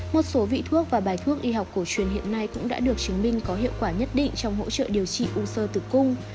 một số vị thuốc và bài thuốc y học cổ truyền hiện nay cũng đã được chứng minh có hiệu quả nhất định trong hỗ trợ điều trị u sơ tử cung